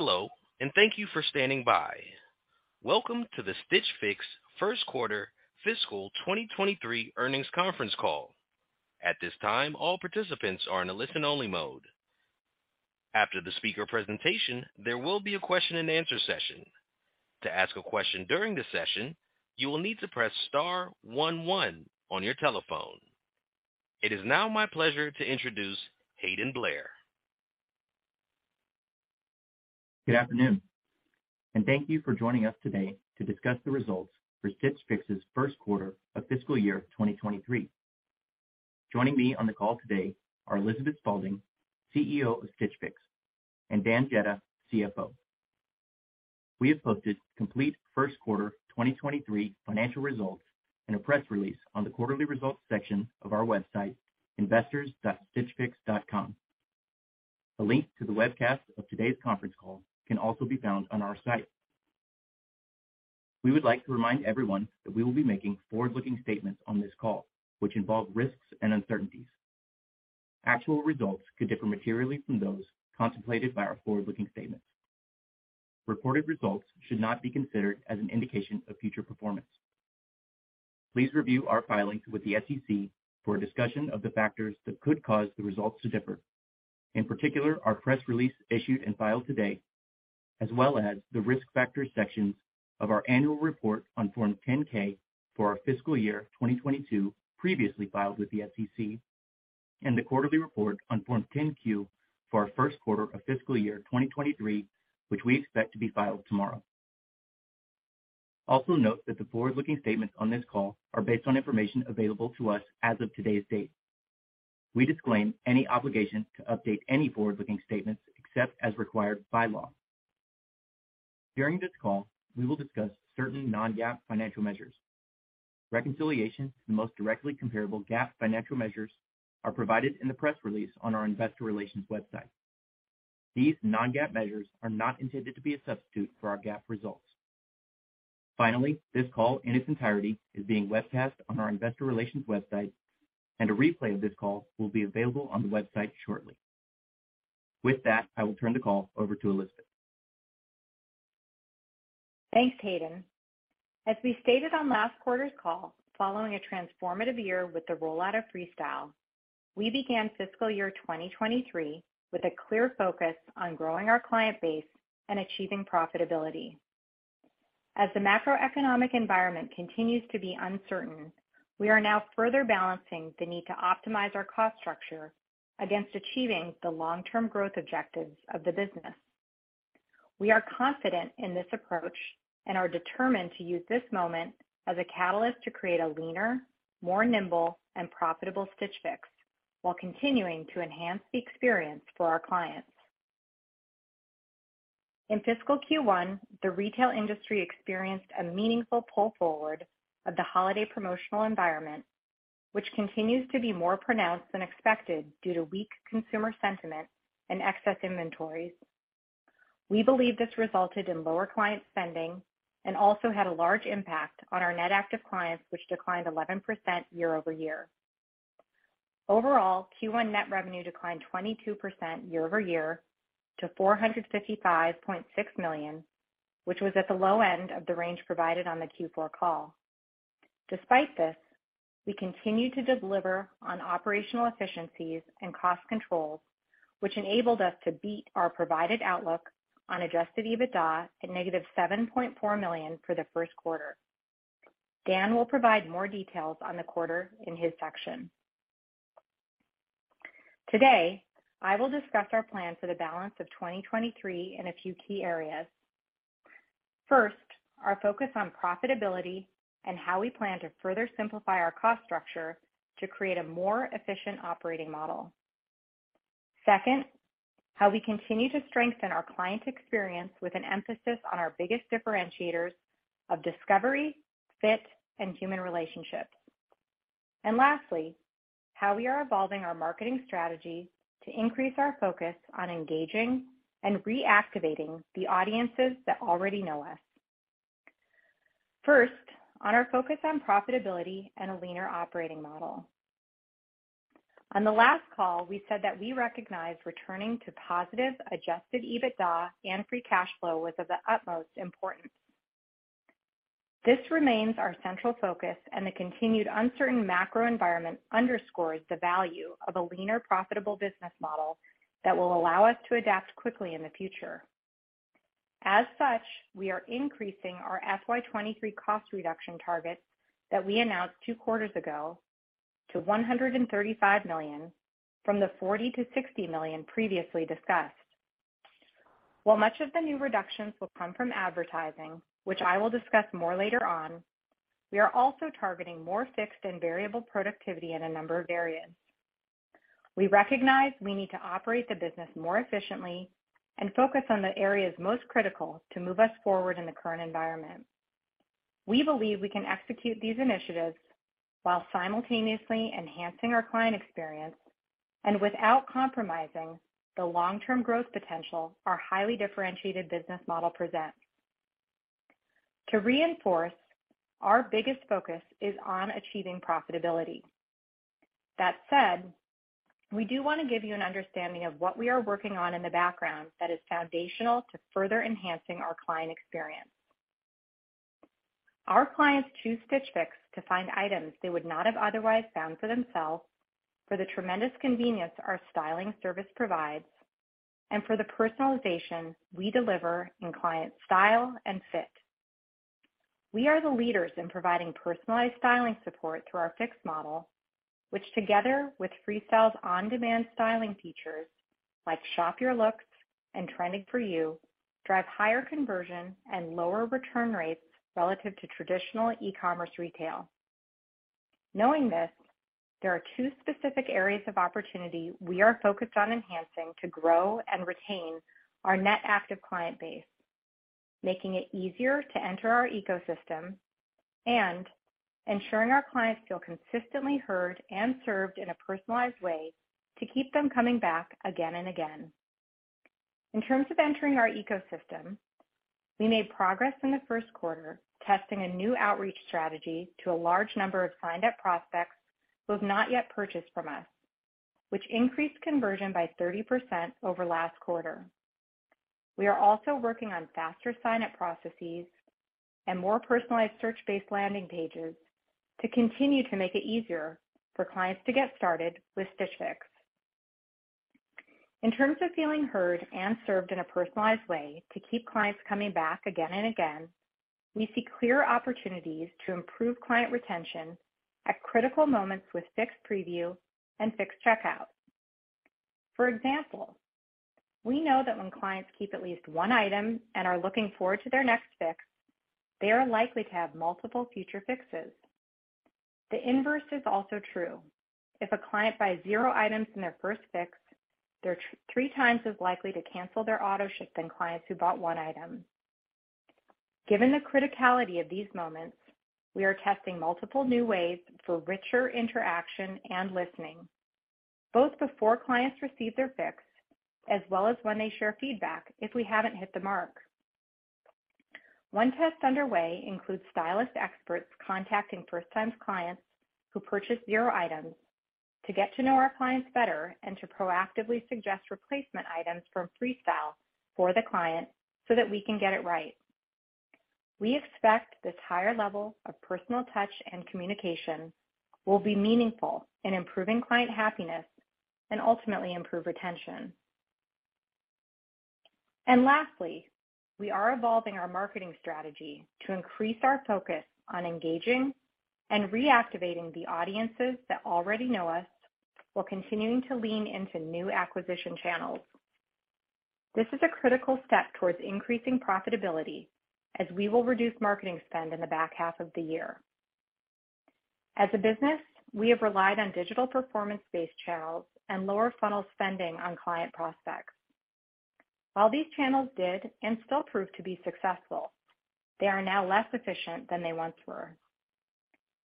Hello, and thank you for standing by. Welcome to the Stitch Fix first quarter fiscal 2023 earnings conference call. At this time, all participants are in a listen only mode. After the speaker presentation, there will be a question and answer session. To ask a question during the session, you will need to press star one one on your telephone. It is now my pleasure to introduce Hayden Blair. Good afternoon, and thank you for joining us today to discuss the results for Stitch Fix's 1st quarter of fiscal year 2023. Joining me on the call today are Elizabeth Spaulding, CEO of Stitch Fix, and Dan Jedda, CFO. We have posted complete 1st quarter 2023 financial results in a press release on the quarterly results section of our website, investors.stitchfix.com. A link to the webcast of today's conference call can also be found on our site. We would like to remind everyone that we will be making forward-looking statements on this call, which involve risks and uncertainties. Actual results could differ materially from those contemplated by our forward-looking statements. Reported results should not be considered as an indication of future performance. Please review our filings with the SEC for a discussion of the factors that could cause the results to differ, in particular, our press release issued and filed today, as well as the Risk Factors sections of our annual report on Form 10-K for our fiscal year 2022 previously filed with the SEC, and the quarterly report on Form 10-Q for our first quarter of fiscal year 2023, which we expect to be filed tomorrow. Note that the forward-looking statements on this call are based on information available to us as of today's date. We disclaim any obligation to update any forward-looking statements except as required by law. During this call, we will discuss certain non-GAAP financial measures. Reconciliations to the most directly comparable GAAP financial measures are provided in the press release on our investor relations website. These non-GAAP measures are not intended to be a substitute for our GAAP results. This call in its entirety is being webcast on our investor relations website, and a replay of this call will be available on the website shortly. With that, I will turn the call over to Elizabeth. Thanks, Hayden. As we stated on last quarter's call, following a transformative year with the rollout of Freestyle, we began fiscal year 2023 with a clear focus on growing our client base and achieving profitability. As the macroeconomic environment continues to be uncertain, we are now further balancing the need to optimize our cost structure against achieving the long-term growth objectives of the business. We are confident in this approach and are determined to use this moment as a catalyst to create a leaner, more nimble, and profitable Stitch Fix while continuing to enhance the experience for our clients. In fiscal Q1, the retail industry experienced a meaningful pull forward of the holiday promotional environment, which continues to be more pronounced than expected due to weak consumer sentiment and excess inventories. We believe this resulted in lower client spending and also had a large impact on our net active clients, which declined 11% year-over-year. Q1 net revenue declined 22% year-over-year to $455.6 million, which was at the low end of the range provided on the Q4 call. We continue to deliver on operational efficiencies and cost controls, which enabled us to beat our provided outlook on adjusted EBITDA at -$7.4 million for the first quarter. Dan will provide more details on the quarter in his section. I will discuss our plans for the balance of 2023 in a few key areas. First, our focus on profitability and how we plan to further simplify our cost structure to create a more efficient operating model. Second, how we continue to strengthen our client experience with an emphasis on our biggest differentiators of discovery, fit, and human relationships. Lastly, how we are evolving our marketing strategy to increase our focus on engaging and reactivating the audiences that already know us. First, on our focus on profitability and a leaner operating model. On the last call, we said that we recognize returning to positive, adjusted EBITDA and free cash flow was of the utmost importance. This remains our central focus, and the continued uncertain macro environment underscores the value of a leaner, profitable business model that will allow us to adapt quickly in the future. As such, we are increasing our FY 2023 cost reduction targets that we announced two quarters ago to $135 million from the $40 million-$60 million previously discussed. While much of the new reductions will come from advertising, which I will discuss more later on, we are also targeting more fixed and variable productivity in a number of areas. We recognize we need to operate the business more efficiently and focus on the areas most critical to move us forward in the current environment. We believe we can execute these initiatives while simultaneously enhancing our client experience and without compromising the long-term growth potential our highly differentiated business model presents. To reinforce, our biggest focus is on achieving profitability. That said, we do wanna give you an understanding of what we are working on in the background that is foundational to further enhancing our client experience. Our clients choose Stitch Fix to find items they would not have otherwise found for themselves, for the tremendous convenience our styling service provides, and for the personalization we deliver in client style and fit. We are the leaders in providing personalized styling support through our Fix model, which together with Freestyle's on-demand styling features, like Shop Your Looks and e drive higher conversion and lower return rates relative to traditional e-commerce retail. Knowing this, there are two specific areas of opportunity we are focused on enhancing to grow and retain our net active client base, making it easier to enter our ecosystem and ensuring our clients feel consistently heard and served in a personalized way to keep them coming back again and again. In terms of entering our ecosystem, we made progress in the first quarter testing a new outreach strategy to a large number of signed up prospects who have not yet purchased from us, which increased conversion by 30% over last quarter. We are also working on faster sign-up processes and more personalized search-based landing pages to continue to make it easier for clients to get started with Stitch Fix. In terms of feeling heard and served in a personalized way to keep clients coming back again and again, we see clear opportunities to improve client retention at critical moments with Fix Preview and Fix Checkout. For example, we know that when clients keep at least one item and are looking forward to their next Fix, they are likely to have multiple future Fixes. The inverse is also true. If a client buys zero items in their first Fix, they're three times as likely to cancel their auto-ship than clients who bought one item. Given the criticality of these moments, we are testing multiple new ways for richer interaction and listening, both before clients receive their Fix as well as when they share feedback if we haven't hit the mark. One test underway includes stylist experts contacting first-time clients who purchase zero items to get to know our clients better and to proactively suggest replacement items from Freestyle for the client so that we can get it right. We expect this higher level of personal touch and communication will be meaningful in improving client happiness and ultimately improve retention. Lastly, we are evolving our marketing strategy to increase our focus on engaging and reactivating the audiences that already know us while continuing to lean into new acquisition channels. This is a critical step towards increasing profitability as we will reduce marketing spend in the back half of the year. As a business, we have relied on digital performance-based channels and lower funnel spending on client prospects. While these channels did and still prove to be successful, they are now less efficient than they once were.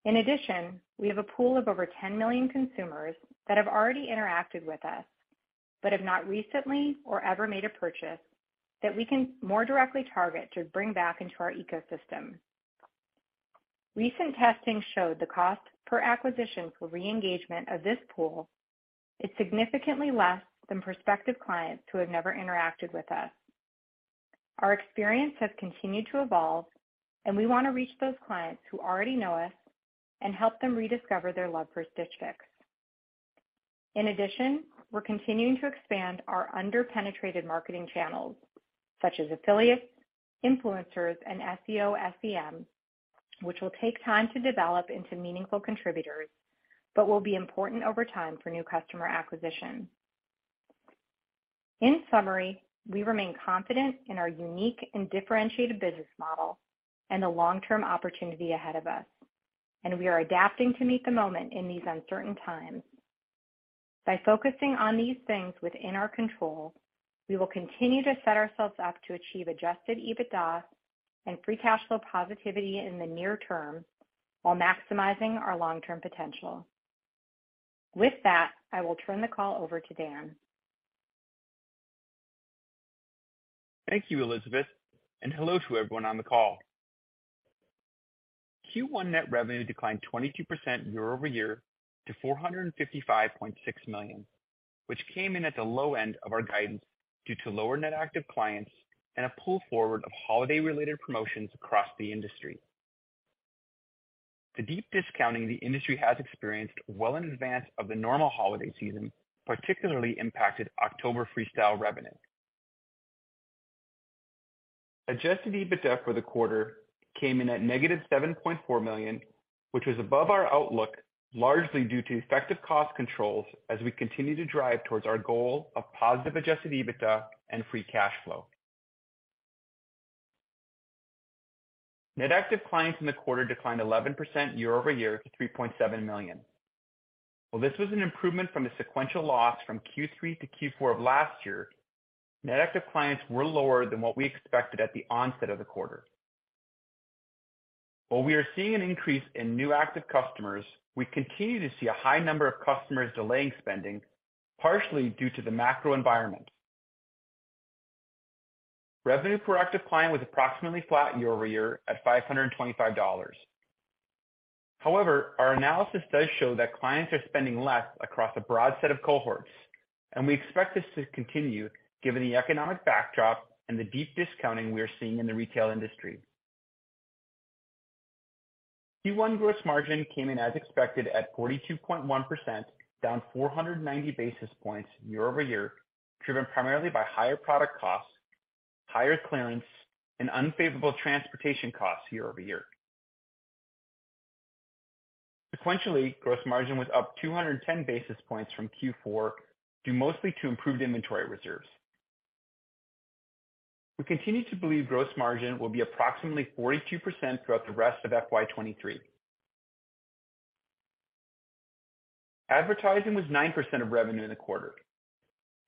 We have a pool of over 10 million consumers that have already interacted with us but have not recently or ever made a purchase that we can more directly target to bring back into our ecosystem. Recent testing showed the cost per acquisition for re-engagement of this pool is significantly less than prospective clients who have never interacted with us. Our experience has continued to evolve, and we wanna reach those clients who already know us and help them rediscover their love for Stitch Fix. In addition, we're continuing to expand our under-penetrated marketing channels such as affiliates, influencers, and SEO/SEM, which will take time to develop into meaningful contributors but will be important over time for new customer acquisition. In summary, we remain confident in our unique and differentiated business model and the long-term opportunity ahead of us, and we are adapting to meet the moment in these uncertain times. By focusing on these things within our control, we will continue to set ourselves up to achieve adjusted EBITDA and free cash flow positivity in the near term while maximizing our long-term potential. With that, I will turn the call over to Dan. Thank you, Elizabeth, and hello to everyone on the call. Q1 net revenue declined 22% year-over-year to $455.6 million, which came in at the low end of our guidance due to lower net active clients and a pull forward of holiday-related promotions across the industry. The deep discounting the industry has experienced well in advance of the normal holiday season, particularly impacted October Freestyle revenue. Adjusted EBITDA for the quarter came in at -$7.4 million, which was above our outlook, largely due to effective cost controls as we continue to drive towards our goal of positive adjusted EBITDA and free cash flow. Net active clients in the quarter declined 11% year-over-year to 3.7 million. While this was an improvement from the sequential loss from Q3 to Q4 of last year, net active clients were lower than what we expected at the onset of the quarter. While we are seeing an increase in new active customers, we continue to see a high number of customers delaying spending, partially due to the macro environment. Revenue per active client was approximately flat year-over-year at $525. However, our analysis does show that clients are spending less across a broad set of cohorts, and we expect this to continue given the economic backdrop and the deep discounting we are seeing in the retail industry. Q1 gross margin came in as expected at 42.1%, down 490 basis points year-over-year, driven primarily by higher product costs, higher clearance, and unfavorable transportation costs year-over-year. Sequentially, gross margin was up 210 basis points from Q4, due mostly to improved inventory reserves. We continue to believe gross margin will be approximately 42% throughout the rest of FY2023. Advertising was 9% of revenue in the quarter.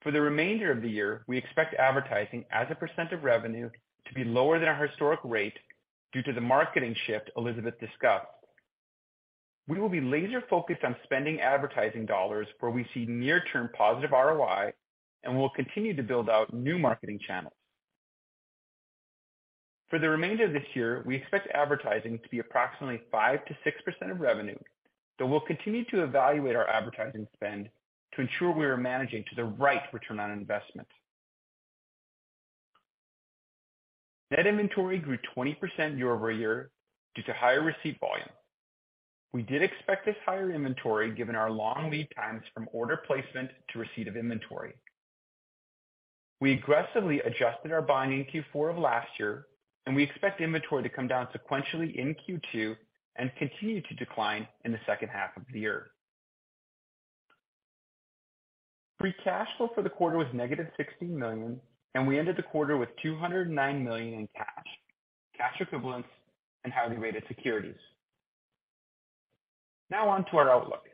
For the remainder of the year, we expect advertising as a percent of revenue to be lower than our historic rate due to the marketing shift Elizabeth discussed. We will be laser-focused on spending advertising dollars where we see near term positive ROI, and we'll continue to build out new marketing channels. For the remainder of this year, we expect advertising to be approximately 5%-6% of revenue, though we'll continue to evaluate our advertising spend to ensure we are managing to the right return on investment. Net inventory grew 20% year-over-year due to higher receipt volume. We did expect this higher inventory given our long lead times from order placement to receipt of inventory. We aggressively adjusted our buying in Q4 of last year, we expect inventory to come down sequentially in Q2 and continue to decline in the second half of the year. Free cash flow for the quarter was -$60 million, we ended the quarter with $209 million in cash equivalents, and highly rated securities. Now on to our outlook.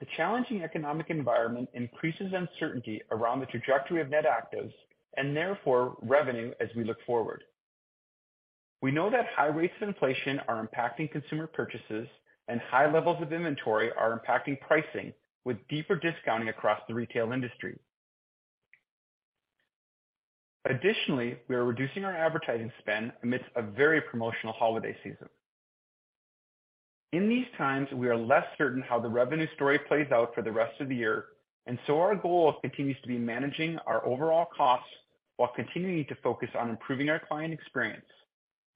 The challenging economic environment increases uncertainty around the trajectory of net actives and therefore revenue as we look forward. We know that high rates of inflation are impacting consumer purchases and high levels of inventory are impacting pricing with deeper discounting across the retail industry. We are reducing our advertising spend amidst a very promotional holiday season. In these times, we are less certain how the revenue story plays out for the rest of the year, our goal continues to be managing our overall costs while continuing to focus on improving our client experience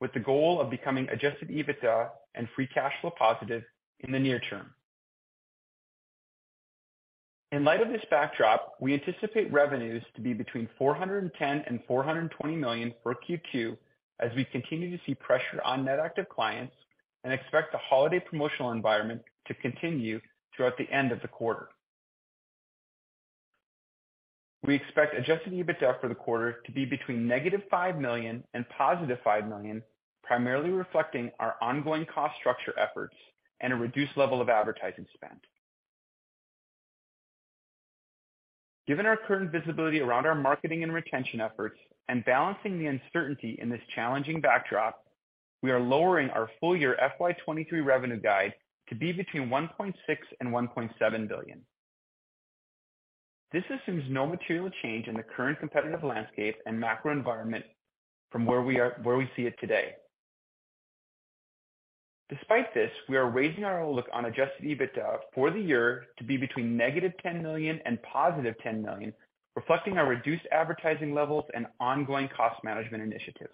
with the goal of becoming adjusted EBITDA and free cash flow positive in the near term. In light of this backdrop, we anticipate revenues to be between $410 million and $420 million for Q2 as we continue to see pressure on net active clients and expect the holiday promotional environment to continue throughout the end of the quarter. We expect adjusted EBITDA for the quarter to be between -$5 million and +$5 million, primarily reflecting our ongoing cost structure efforts and a reduced level of advertising spend. Given our current visibility around our marketing and retention efforts and balancing the uncertainty in this challenging backdrop, we are lowering our full year FY2023 revenue guide to be between $1.6 billion and $1.7 billion. This assumes no material change in the current competitive landscape and macro environment from where we see it today. Despite this, we are raising our outlook on adjusted EBITDA for the year to be between -$10 million and +$10 million, reflecting our reduced advertising levels and ongoing cost management initiatives.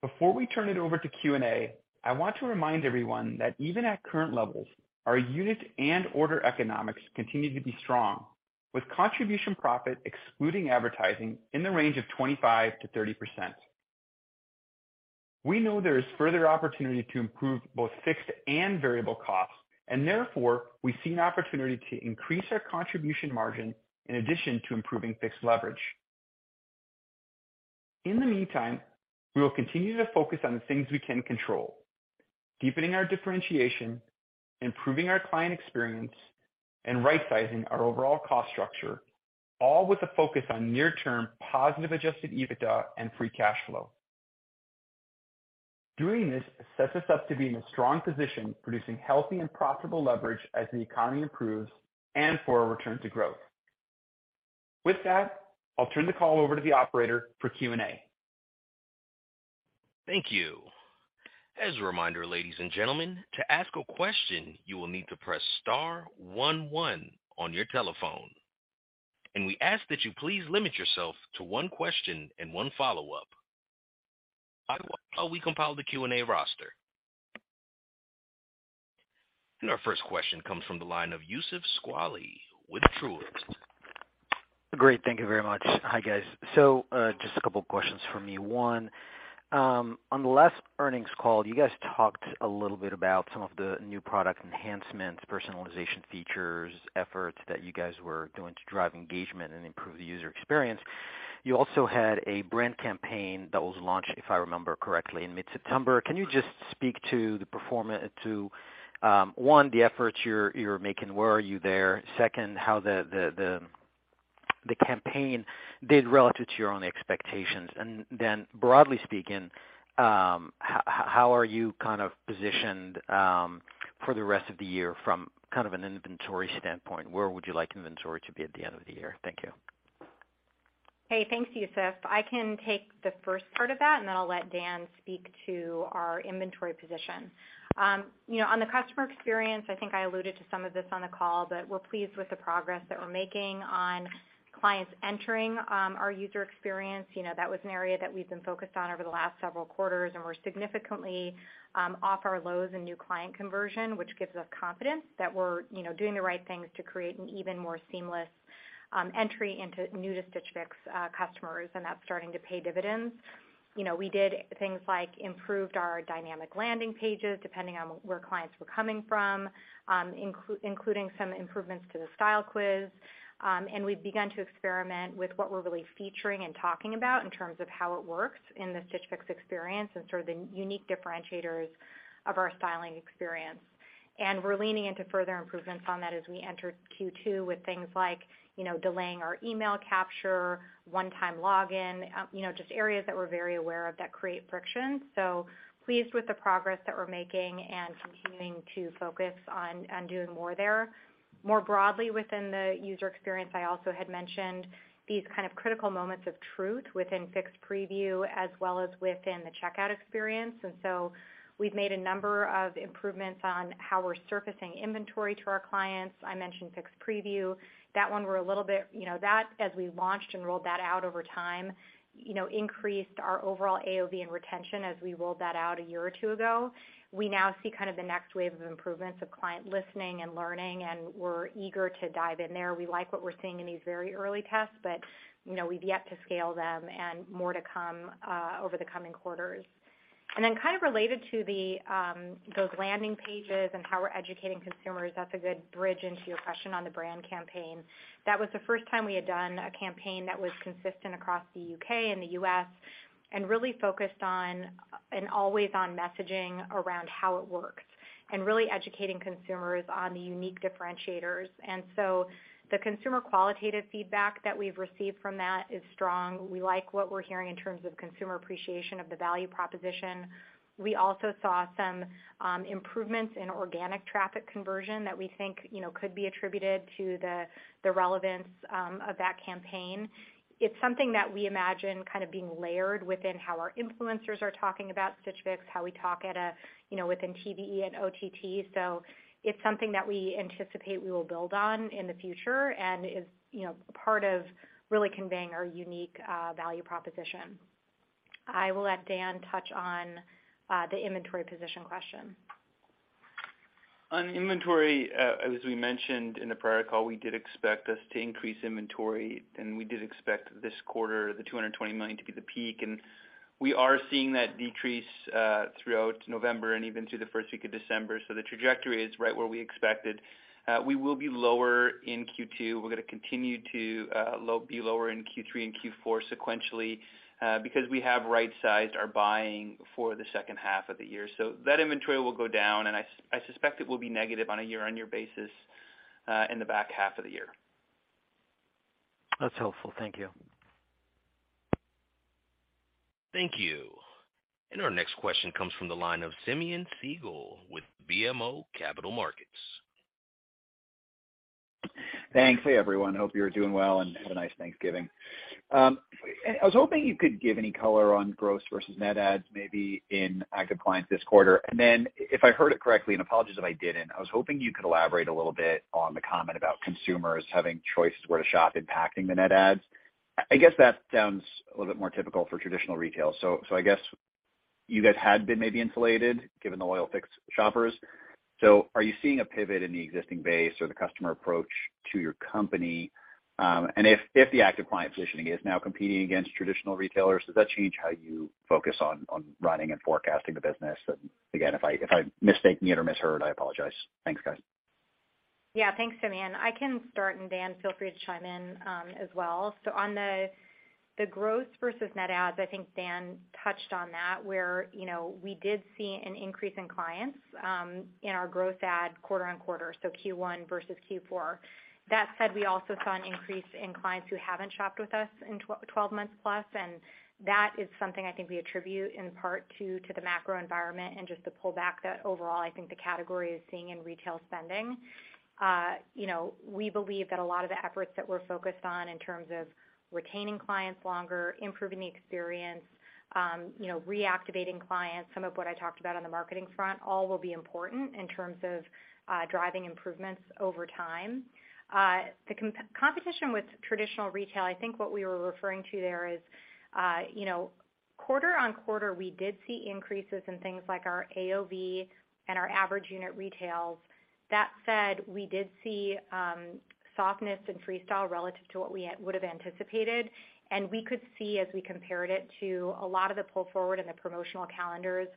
Before we turn it over to Q&A, I want to remind everyone that even at current levels, our unit and order economics continue to be strong, with contribution profit excluding advertising in the range of 25%-30%. We know there is further opportunity to improve both fixed and variable costs, and therefore we see an opportunity to increase our contribution margin in addition to improving fixed leverage. In the meantime, we will continue to focus on the things we can control, deepening our differentiation, improving our client experience, and right sizing our overall cost structure, all with a focus on near term positive adjusted EBITDA and free cash flow. Doing this sets us up to be in a strong position, producing healthy and profitable leverage as the economy improves and for a return to growth. With that, I'll turn the call over to the operator for Q&A. Thank you. As a reminder, ladies and gentlemen, to ask a question, you will need to press star one one on your telephone. We ask that you please limit yourself to one question and one follow-up. While we compile the Q&A roster. Our first question comes from the line of Youssef Squali with Truist. Great. Thank you very much. Hi, guys. Just a couple questions for me. One, on the last earnings call, you guys talked a little bit about some of the new product enhancements, personalization features, efforts that you guys were doing to drive engagement and improve the user experience. You also had a brand campaign that was launched, if I remember correctly, in mid-September. Can you just speak to the to one, the efforts you're making, where are you there? Second, how the campaign did relative to your own expectations. Broadly speaking, how are you kind of positioned for the rest of the year from kind of an inventory standpoint? Where would you like inventory to be at the end of the year? Thank you. Hey, thanks, Youssef. I can take the first part of that, then I'll let Dan speak to our inventory position. You know, on the customer experience, I think I alluded to some of this on the call, we're pleased with the progress that we're making on clients entering our user experience. You know, that was an area that we've been focused on over the last several quarters, we're significantly off our lows in new client conversion, which gives us confidence that we're, you know, doing the right things to create an even more seamless entry into new to Stitch Fix customers, that's starting to pay dividends. You know, we did things like improved our dynamic landing pages depending on where clients were coming from, including some improvements to the style quiz. We've begun to experiment with what we're really featuring and talking about in terms of how it works in the Stitch Fix experience and sort of the unique differentiators of our styling experience. We're leaning into further improvements on that as we enter Q2 with things like, you know, delaying our email capture, one-time login, you know, just areas that we're very aware of that create friction. Pleased with the progress that we're making and continuing to focus on doing more there. More broadly within the user experience, I also had mentioned these kind of critical moments of truth within Fix Preview as well as within the checkout experience. We've made a number of improvements on how we're surfacing inventory to our clients. I mentioned Fix Preview. That one we're a little bit... You know, that, as we launched and rolled that out over time, you know, increased our overall AOV and retention as we rolled that out a year or two ago. We now see kind of the next wave of improvements of client listening and learning, and we're eager to dive in there. We like what we're seeing in these very early tests, but, you know, we've yet to scale them and more to come over the coming quarters. Then kind of related to the those landing pages and how we're educating consumers, that's a good bridge into your question on the brand campaign. That was the first time we had done a campaign that was consistent across the U.K. and the U.S. and really focused on an always-on messaging around how it works and really educating consumers on the unique differentiators. The consumer qualitative feedback that we've received from that is strong. We like what we're hearing in terms of consumer appreciation of the value proposition. We also saw some improvements in organic traffic conversion that we think, you know, could be attributed to the relevance of that campaign. It's something that we imagine kind of being layered within how our influencers are talking about Stitch Fix, how we talk at a, you know, within TVE and OTT. It's something that we anticipate we will build on in the future and is, you know, part of really conveying our unique value proposition. I will let Dan touch on the inventory position question. On inventory, as we mentioned in the prior call, we did expect us to increase inventory. We did expect this quarter, the $220 million to be the peak. We are seeing that decrease throughout November and even through the first week of December. The trajectory is right where we expected. We will be lower in Q2. We're gonna continue to be lower in Q3 and Q4 sequentially because we have right-sized our buying for the second half of the year. That inventory will go down, and I suspect it will be negative on a year-on-year basis in the back half of the year. That's helpful. Thank you. Thank you. Our next question comes from the line of Simeon Siegel with BMO Capital Markets. Thanks. Hey, everyone. Hope you're doing well and have a nice Thanksgiving. I was hoping you could give any color on gross versus net adds maybe in active clients this quarter. Then if I heard it correctly, and apologies if I didn't, I was hoping you could elaborate a little bit on the comment about consumers having choices where to shop impacting the net adds. I guess that sounds a little bit more typical for traditional retail. I guess you guys had been maybe insulated given the loyal Fix shoppers. Are you seeing a pivot in the existing base or the customer approach to your company? If the active client positioning is now competing against traditional retailers, does that change how you focus on running and forecasting the business? Again, if I'm mistaken or misheard, I apologize. Thanks, guys. Thanks, Simeon. I can start, and Dan, feel free to chime in, as well. On the growth versus net adds, I think Dan touched on that where, you know, we did see an increase in clients in our growth add quarter-on-quarter, Q1 versus Q4. That said, we also saw an increase in clients who haven't shopped with us in 12 months plus, and that is something I think we attribute in part to the macro environment and just the pullback that overall I think the category is seeing in retail spending. You know, we believe that a lot of the efforts that we're focused on in terms of retaining clients longer, improving the experience, you know, reactivating clients, some of what I talked about on the marketing front, all will be important in terms of driving improvements over time. The competition with traditional retail, I think what we were referring to there is, you know, quarter-on-quarter, we did see increases in things like our AOV and our average unit retails. That said, we did see softness in Freestyle relative to what we would have anticipated, and we could see as we compared it to a lot of the pull forward and the promotional calendars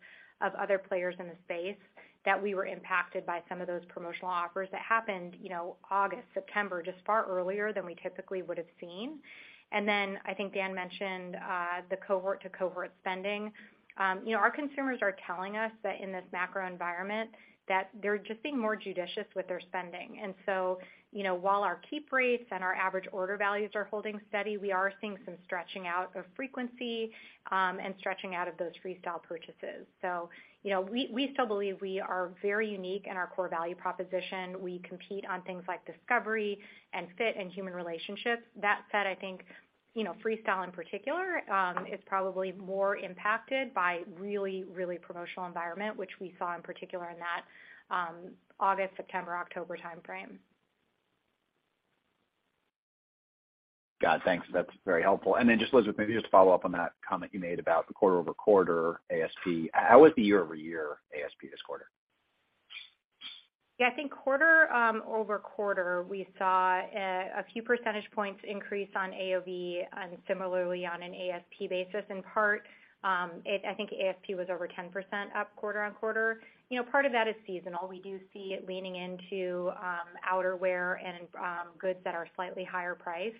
of other players in the space, that we were impacted by some of those promotional offers that happened, you know, August, September, just far earlier than we typically would have seen. Then I think Dan mentioned the cohort-to-cohort spending. You know, our consumers are telling us that in this macro environment that they're just being more judicious with their spending. So, you know, while our keep rates and our average order values are holding steady, we are seeing some stretching out of frequency, and stretching out of those Freestyle purchases. You know, we still believe we are very unique in our core value proposition. We compete on things like discovery and fit and human relationships. That said, I think, you know, Freestyle in particular, is probably more impacted by really, really promotional environment, which we saw in particular in that, August, September, October timeframe. Got it. Thanks. That's very helpful. Just, Elizabeth, maybe just to follow up on that comment you made about the quarter-over-quarter ASP. How was the year-over-year ASP this quarter? Yeah, I think quarter-over-quarter, we saw a few percentage points increase on AOV, and similarly on an ASP basis in part. I think ASP was over 10% up quarter-on-quarter. You know, part of that is seasonal. We do see it leaning into outerwear and goods that are slightly higher priced.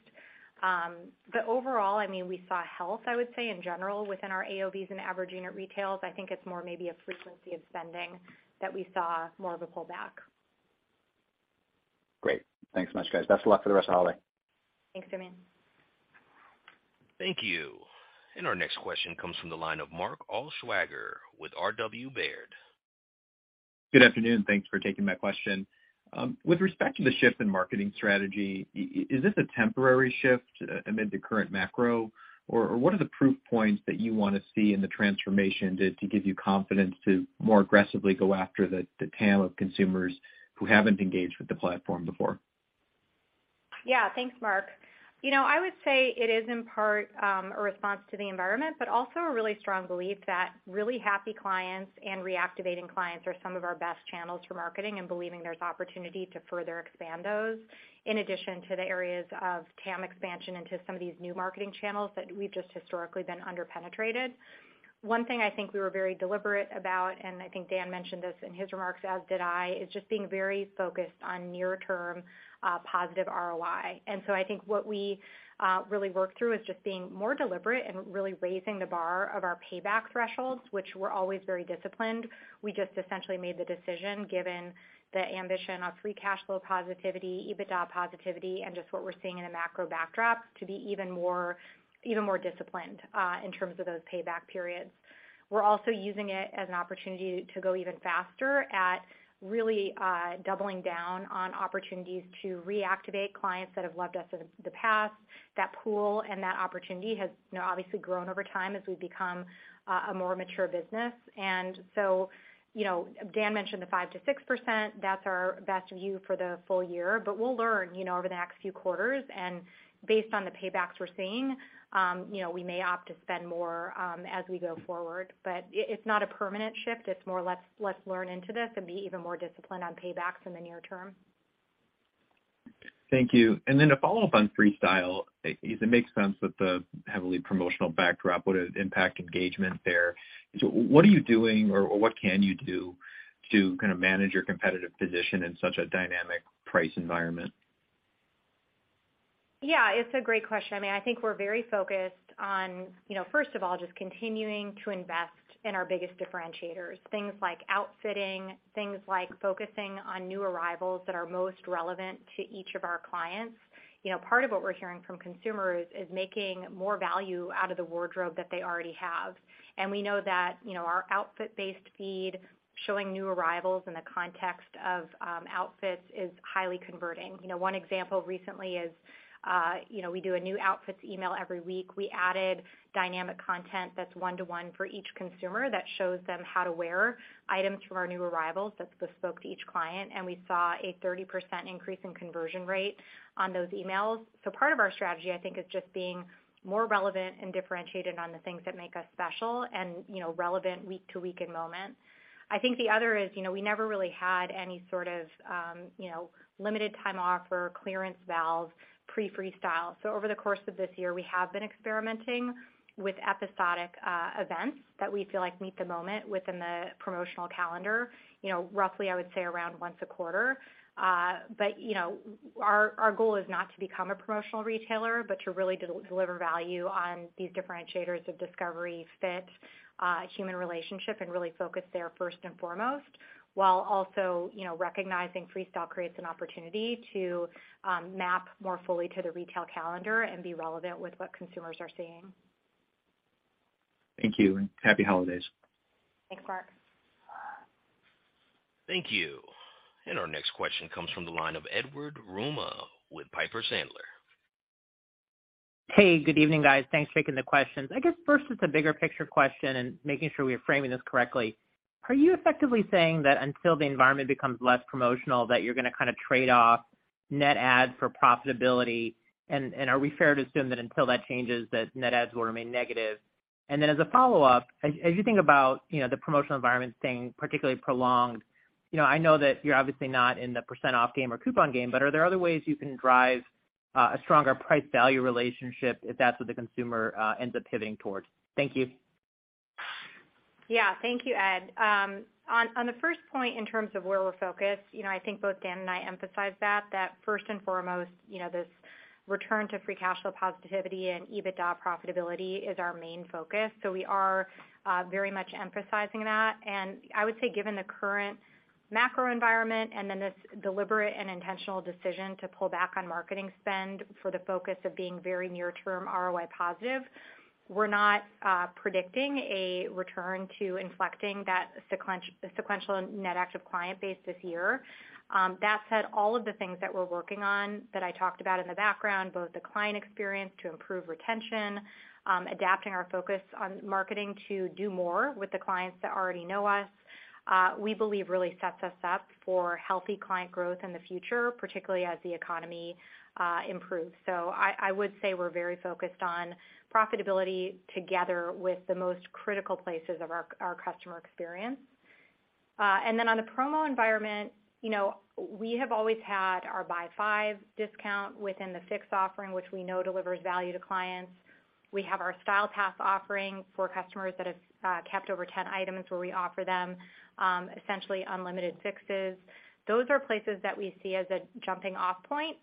But overall, I mean, we saw health, I would say in general, within our AOV and average unit retails. I think it's more maybe a frequency of spending that we saw more of a pullback. Great. Thanks so much, guys. Best of luck for the rest of the holiday. Thanks, Simeon. Thank you. Our next question comes from the line of Mark Altschwager with R.W. Baird. Good afternoon. Thanks for taking my question. With respect to the shift in marketing strategy, is this a temporary shift amid the current macro? What are the proof points that you wanna see in the transformation to give you confidence to more aggressively go after the TAM of consumers who haven't engaged with the platform before? Yeah. Thanks, Mark. You know, I would say it is in part, a response to the environment, but also a really strong belief that really happy clients and reactivating clients are some of our best channels for marketing, and believing there's opportunity to further expand those, in addition to the areas of TAM expansion into some of these new marketing channels that we've just historically been under-penetrated. One thing I think we were very deliberate about, and I think Dan mentioned this in his remarks, as did I, is just being very focused on near-term, positive ROI. I think what we really worked through is just being more deliberate and really raising the bar of our payback thresholds, which were always very disciplined. We just essentially made the decision, given the ambition of free cash flow positivity, EBITDA positivity, and just what we're seeing in a macro backdrop to be even more disciplined in terms of those payback periods. We're also using it as an opportunity to go even faster at really doubling down on opportunities to reactivate clients that have loved us in the past. That pool and that opportunity has obviously grown over time as we've become a more mature business. Dan mentioned the 5%-6%. That's our best view for the full year. We'll learn over the next few quarters, and based on the paybacks we're seeing, we may opt to spend more as we go forward. It's not a permanent shift, it's more let's learn into this and be even more disciplined on paybacks in the near term. Thank you. Then to follow up on Freestyle, it makes sense that the heavily promotional backdrop would impact engagement there. What are you doing or what can you do to kind of manage your competitive position in such a dynamic price environment? Yeah, it's a great question. I mean, I think we're very focused on, you know, first of all, just continuing to invest in our biggest differentiators. Things like outfitting, things like focusing on new arrivals that are most relevant to each of our clients. You know, part of what we're hearing from consumers is making more value out of the wardrobe that they already have. We know that, you know, our outfit-based feed showing new arrivals in the context of outfits is highly converting. You know, one example recently is, you know, we do a new outfits email every week. We added dynamic content that's one-to-one for each consumer that shows them how to wear items from our new arrivals that's bespoke to each client, and we saw a 30% increase in conversion rate on those emails. Part of our strategy, I think, is just being more relevant and differentiated on the things that make us special and, you know, relevant week to week and moment. I think the other is, you know, we never really had any sort of, you know, limited time offer, clearance valves, pre-Freestyle. Over the course of this year, we have been experimenting with episodic events that we feel like meet the moment within the promotional calendar, you know, roughly, I would say around once a quarter. Our, our goal is not to become a promotional retailer, but to really de-deliver value on these differentiators of discovery, fit, human relationship, and really focus there first and foremost, while also, you know, recognizing Freestyle creates an opportunity to map more fully to the retail calendar and be relevant with what consumers are seeing. Thank you, and happy holidays. Thanks, Mark. Thank you. Our next question comes from the line of Edward Yruma with Piper Sandler. Hey, good evening, guys. Thanks for taking the questions. I guess first it's a bigger picture question and making sure we are framing this correctly. Are you effectively saying that until the environment becomes less promotional, that you're gonna kinda trade off net adds for profitability? Are we fair to assume that until that changes, that net adds will remain negative? As a follow-up, as you think about, you know, the promotional environment staying particularly prolonged, you know, I know that you're obviously not in the percent off game or coupon game, but are there other ways you can drive a stronger price-value relationship if that's what the consumer ends up pivoting towards? Thank you. Thank you, Ed. On the first point in terms of where we're focused, you know, I think both Dan and I emphasized that first and foremost, you know, this return to free cash flow positivity and EBITDA profitability is our main focus. We are very much emphasizing that. I would say, given the current macro environment and then this deliberate and intentional decision to pull back on marketing spend for the focus of being very near-term ROI positive, we're not predicting a return to inflecting that sequential net active client base this year. That said, all of the things that we're working on that I talked about in the background, both the client experience to improve retention, adapting our focus on marketing to do more with the clients that already know us, we believe really sets us up for healthy client growth in the future, particularly as the economy improves. I would say we're very focused on profitability together with the most critical places of our customer experience. On the promo environment, you know, we have always had our buy five discount within the Fix offering, which we know delivers value to clients. We have our Style Pass offering for customers that have kept over 10 items where we offer them essentially unlimited Fixes. Those are places that we see as a jumping off point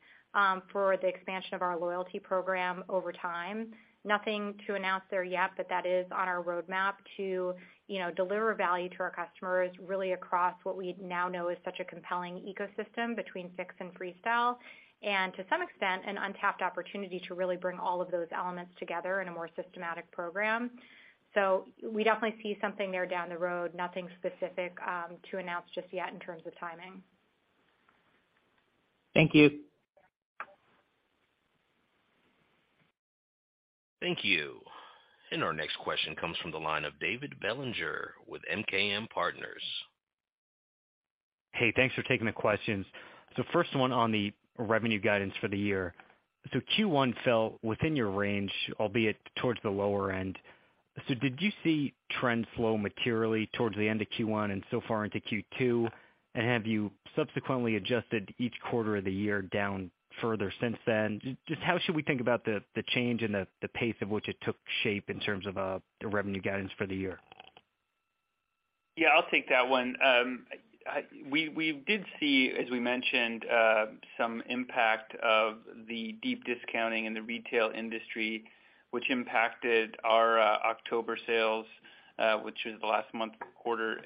for the expansion of our loyalty program over time. Nothing to announce there yet, but that is on our roadmap to, you know, deliver value to our customers really across what we now know is such a compelling ecosystem between Fix and Freestyle, and to some extent, an untapped opportunity to really bring all of those elements together in a more systematic program. We definitely see something there down the road. Nothing specific to announce just yet in terms of timing. Thank you. Thank you. Our next question comes from the line of David Bellinger with MKM Partners. Hey, thanks for taking the questions. First one on the revenue guidance for the year. Q1 fell within your range, albeit towards the lower end. Did you see trends flow materially towards the end of Q1 and so far into Q2? Have you subsequently adjusted each quarter of the year down further since then? Just how should we think about the change and the pace of which it took shape in terms of the revenue guidance for the year? Yeah, I'll take that one. We did see, as we mentioned, some impact of the deep discounting in the retail industry, which impacted our October sales, which is the last month of the quarter.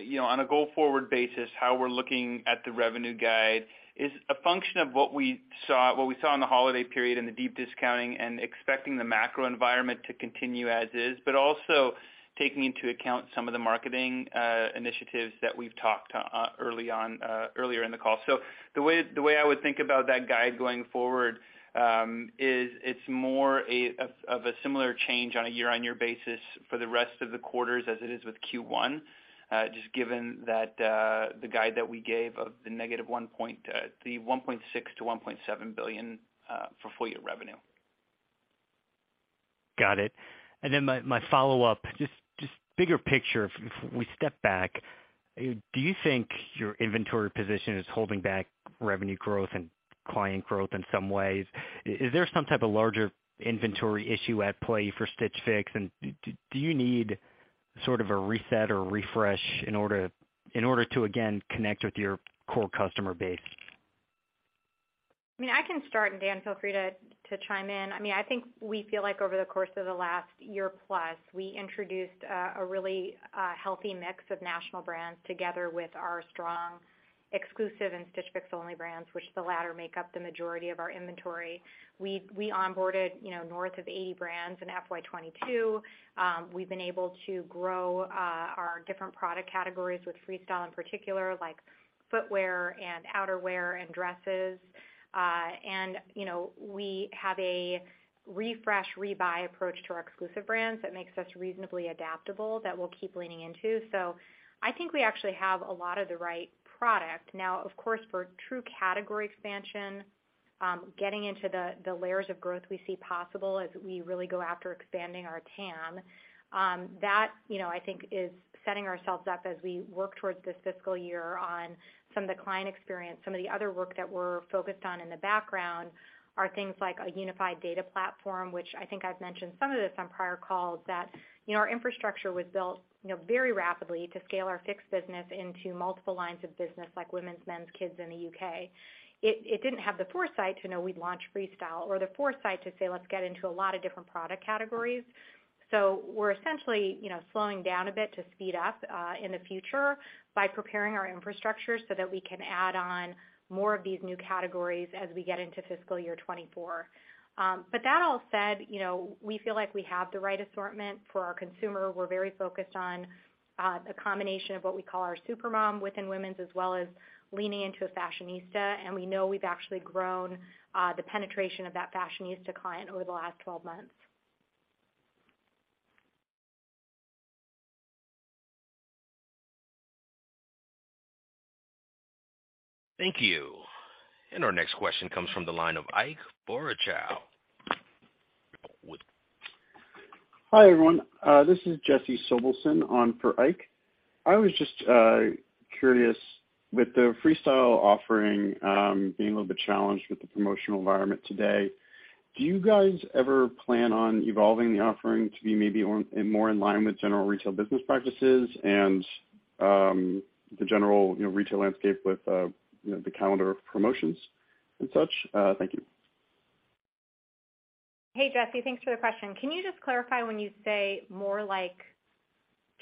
You know, on a go-forward basis, how we're looking at the revenue guide is a function of what we saw in the holiday period and the deep discounting, and expecting the macro environment to continue as is, but also taking into account some of the marketing initiatives that we've talked early on earlier in the call. The way I would think about that guide going forward is it's more of a similar change on a year-over-year basis for the rest of the quarters as it is with Q1, just given that the guide that we gave of the $1.6 billion-$1.7 billion for full year revenue. Got it. Then my follow-up, just bigger picture, if we step back, do you think your inventory position is holding back revenue growth and client growth in some ways? Is there some type of larger inventory issue at play for Stitch Fix? Do you need sort of a reset or refresh in order to again connect with your core customer base? I mean, I can start. Dan, feel free to chime in. I mean, I think we feel like over the course of the last year plus, we introduced a really healthy mix of national brands together with our strong exclusive and Stitch Fix only brands, which the latter make up the majority of our inventory. We onboarded, you know, north of 80 brands in FY 2022. We've been able to grow our different product categories with Freestyle in particular, like footwear and outerwear and dresses. You know, we have a refresh rebuy approach to our exclusive brands that makes us reasonably adaptable that we'll keep leaning into. I think we actually have a lot of the right product. Now, of course, for true category expansion, getting into the layers of growth we see possible as we really go after expanding our TAM, that, you know, I think is setting ourselves up as we work towards this fiscal year on some of the client experience. Some of the other work that we're focused on in the background are things like a unified data platform, which I think I've mentioned some of this on prior calls, that, you know, our infrastructure was built, you know, very rapidly to scale our Fix business into multiple lines of business like women's, men's, kids in the U.K. It didn't have the foresight to know we'd launch Freestyle or the foresight to say, let's get into a lot of different product categories. We're essentially, you know, slowing down a bit to speed up in the future by preparing our infrastructure so that we can add on more of these new categories as we get into fiscal year 2024. That all said, you know, we feel like we have the right assortment for our consumer. We're very focused on a combination of what we call our supermom within women's, as well as leaning into a fashionista. We know we've actually grown the penetration of that fashionista client over the last 12 months. Thank you. Our next question comes from the line of Ike Boruchow. Hi, everyone. This is Jesse Sobelson on for Ike. I was just curious. With the Freestyle offering, being a little bit challenged with the promotional environment today, do you guys ever plan on evolving the offering to be maybe more in line with general retail business practices and, the general, you know, retail landscape with, you know, the calendar of promotions and such? Thank you. Hey, Jesse, thanks for the question. Can you just clarify when you say more like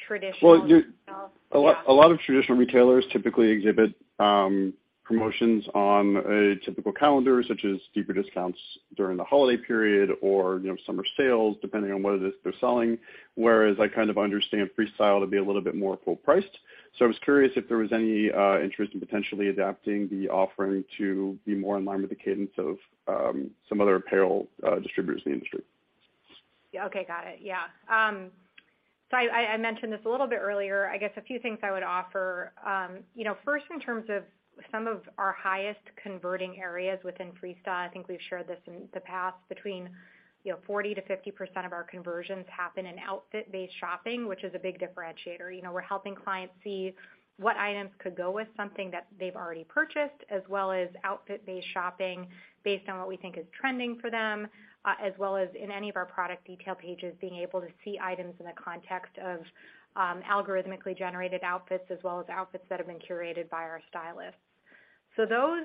traditional retail? Well. Yeah. A lot of traditional retailers typically exhibit promotions on a typical calendar, such as steeper discounts during the holiday period or, you know, summer sales, depending on what it is they're selling. Whereas I kind of understand Freestyle to be a little bit more full priced. I was curious if there was any interest in potentially adapting the offering to be more in line with the cadence of some other apparel distributors in the industry. Yeah, okay. Got it. Yeah. I mentioned this a little bit earlier, I guess a few things I would offer. You know, first in terms of some of our highest converting areas within Freestyle, I think we've shared this in the past, between, you know, 40%-50% of our conversions happen in outfit-based shopping, which is a big differentiator. You know, we're helping clients see what items could go with something that they've already purchased, as well as outfit-based shopping based on what we think is trending for them, as well as in any of our product detail pages, being able to see items in the context of, algorithmically generated outfits, as well as outfits that have been curated by our stylists. Those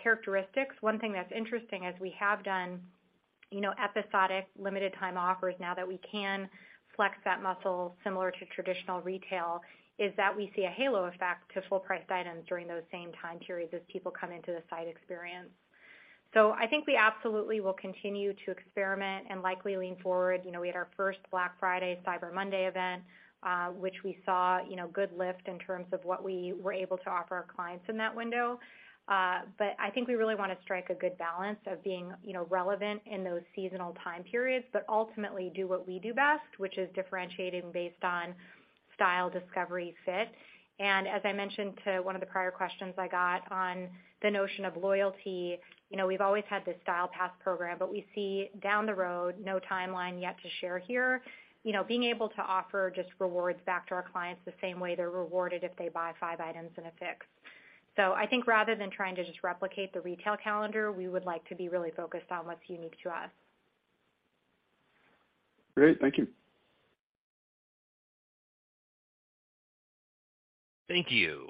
characteristics, one thing that's interesting is we have done, you know, episodic limited time offers now that we can flex that muscle similar to traditional retail, is that we see a halo effect to full priced items during those same time periods as people come into the site experience. I think we absolutely will continue to experiment and likely lean forward. You know, we had our first Black Friday, Cyber Monday event, which we saw, you know, good lift in terms of what we were able to offer our clients in that window. I think we really wanna strike a good balance of being, you know, relevant in those seasonal time periods, but ultimately do what we do best, which is differentiating based on style, discovery, fit. As I mentioned to one of the prior questions I got on the notion of loyalty, you know, we've always had this Style Pass program, but we see down the road, no timeline yet to share here, you know, being able to offer just rewards back to our clients the same way they're rewarded if they buy five items in a Fix. I think rather than trying to just replicate the retail calendar, we would like to be really focused on what's unique to us. Great. Thank you. Thank you.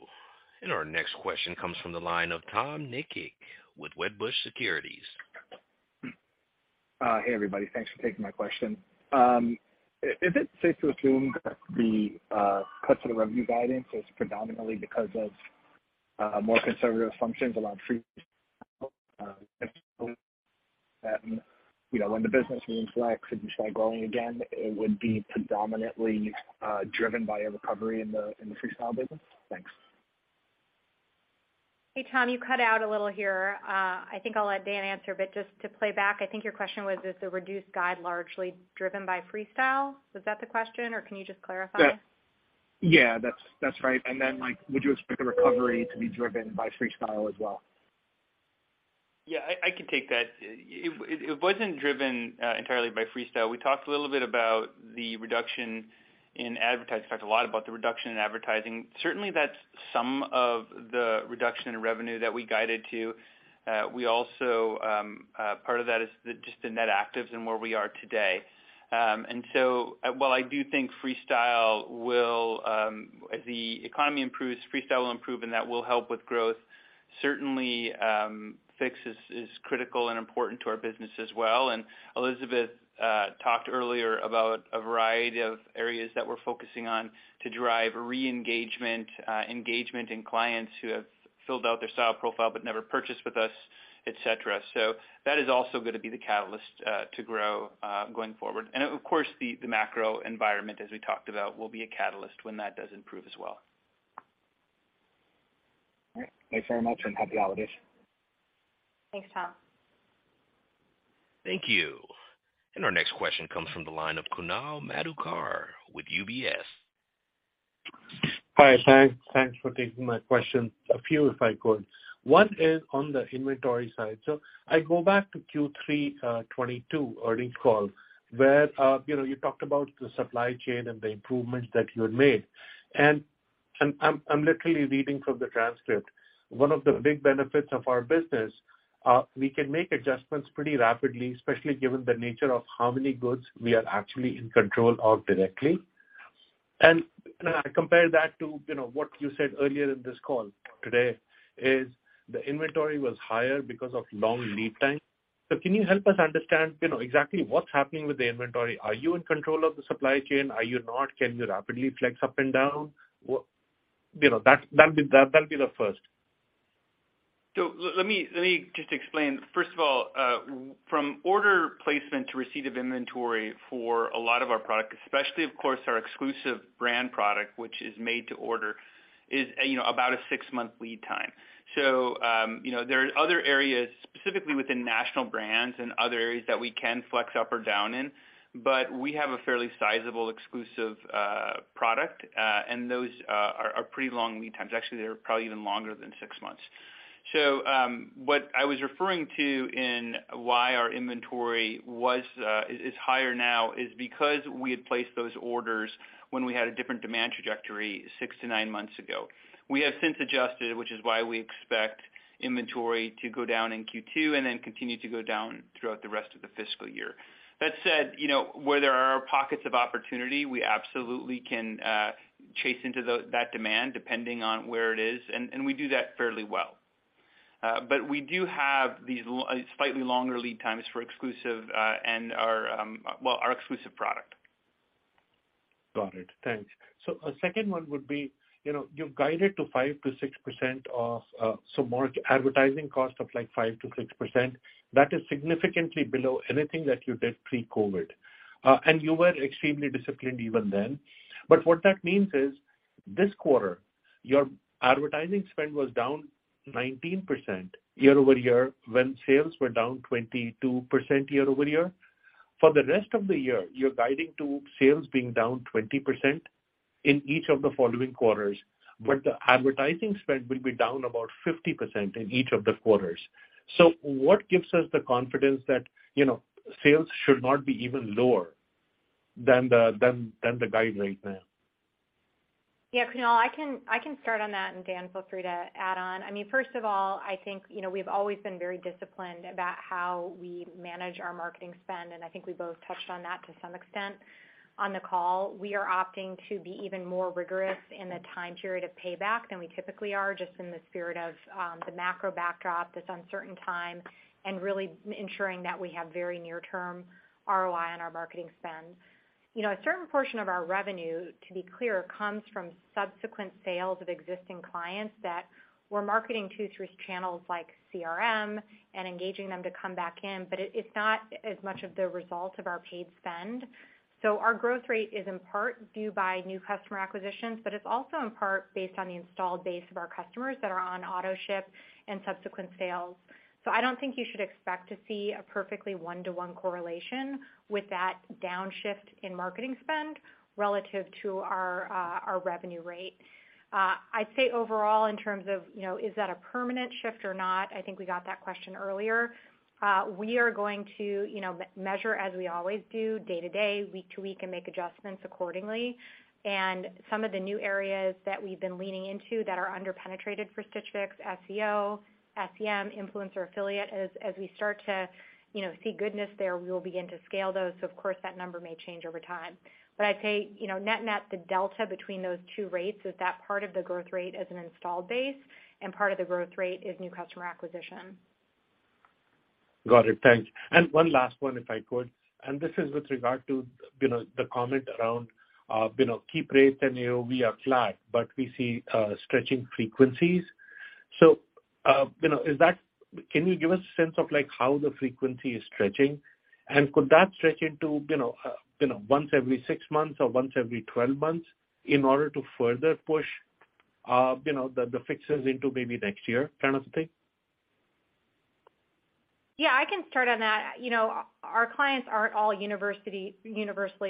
Our next question comes from the line of Tom Nikic with Wedbush Securities. Hey, everybody. Thanks for taking my question. Is it safe to assume that the cuts to the revenue guidance is predominantly because of more conservative functions around Freestyle? If you know, when the business re-flex and you start growing again, it would be predominantly driven by a recovery in the Freestyle business? Thanks. Hey, Tom, you cut out a little here. I think I'll let Dan answer, just to play back, I think your question was, is the reduced guide largely driven by Freestyle? Was that the question, or can you just clarify? Yeah, that's right. Then, like, would you expect the recovery to be driven by Freestyle as well? I can take that. It wasn't driven entirely by Freestyle. We talked a little bit about the reduction in advertising. We talked a lot about the reduction in advertising. Certainly, that's some of the reduction in revenue that we guided to. We also, part of that is the just the net actives and where we are today. While I do think Freestyle will, as the economy improves, Freestyle will improve, and that will help with growth. Certainly, Fix is critical and important to our business as well. Elizabeth talked earlier about a variety of areas that we're focusing on to drive re-engagement, engagement in clients who have filled out their style profile but never purchased with us, et cetera. That is also gonna be the catalyst to grow going forward. Of course, the macro environment, as we talked about, will be a catalyst when that does improve as well. All right. Thanks very much, and happy holidays. Thanks, Tom. Thank you. Our next question comes from the line of Kunal Madhukar with UBS. Hi. Thanks. Thanks for taking my question. A few, if I could. One is on the inventory side. I go back to Q3 2022 earnings call, where, you know, you talked about the supply chain and the improvements that you had made. I'm literally reading from the transcript. One of the big benefits of our business, we can make adjustments pretty rapidly, especially given the nature of how many goods we are actually in control of directly. I compare that to, you know, what you said earlier in this call today is the inventory was higher because of long lead time. Can you help us understand, you know, exactly what's happening with the inventory? Are you in control of the supply chain? Are you not? Can you rapidly flex up and down? You know, that'll be the first. Let me just explain. First of all, from order placement to receipt of inventory for a lot of our product, especially of course, our exclusive brand product, which is made to order, is, you know, about a six-month lead time. You know, there are other areas, specifically within national brands and other areas that we can flex up or down in, but we have a fairly sizable exclusive product, and those are pretty long lead times. Actually, they're probably even longer than six months. What I was referring to in why our inventory is higher now is because we had placed those orders when we had a different demand trajectory six to nine months ago. We have since adjusted, which is why we expect inventory to go down in Q2, and then continue to go down throughout the rest of the fiscal year. That said, you know, where there are pockets of opportunity, we absolutely can chase into that demand depending on where it is, and we do that fairly well. But we do have these slightly longer lead times for exclusive, and our, well, our exclusive product. Got it. Thanks. A second one would be, you know, you've guided to 5%-6% of, so more advertising cost of like 5%-6%. That is significantly below anything that you did pre-COVID. And you were extremely disciplined even then. What that means is this quarter, your advertising spend was down 19% year-over-year when sales were down 22% year-over-year. For the rest of the year, you're guiding to sales being down 20% in each of the following quarters, but the advertising spend will be down about 50% in each of the quarters. What gives us the confidence that, you know, sales should not be even lower than the guide right now? Yeah, Kunal, I can start on that, and Dan feel free to add on. I mean, first of all, I think, you know, we've always been very disciplined about how we manage our marketing spend, and I think we both touched on that to some extent on the call. We are opting to be even more rigorous in the time period of payback than we typically are, just in the spirit of the macro backdrop, this uncertain time, and really ensuring that we have very near term ROI on our marketing spend. You know, a certain portion of our revenue, to be clear, comes from subsequent sales of existing clients that we're marketing to through channels like CRM and engaging them to come back in. It's not as much of the result of our paid spend. Our growth rate is in part due by new customer acquisitions, but it's also in part based on the installed base of our customers that are on autoship and subsequent sales. I don't think you should expect to see a perfectly one-to-one correlation with that downshift in marketing spend relative to our revenue rate. I'd say overall in terms of, you know, is that a permanent shift or not, I think we got that question earlier. We are going to, you know, measure as we always do day to day, week to week, and make adjustments accordingly. Some of the new areas that we've been leaning into that are under-penetrated for Stitch Fix, SEO, SEM, influencer affiliate, as we start to, you know, see goodness there, we will begin to scale those. Of course, that number may change over time. I'd say, you know, net-net, the delta between those two rates is that part of the growth rate is an installed base, and part of the growth rate is new customer acquisition. Got it. Thanks. One last one if I could, and this is with regard to, you know, the comment around, you know, keep rate and year-over-year flat, but we see, stretching frequencies. You know, can you give us a sense of like how the frequency is stretching? Could that stretch into, you know, you know, once every six months or once every 12 months in order to further push, you know, the Fixes into maybe next year kind of thing? Yeah, I can start on that. You know, our clients aren't all universally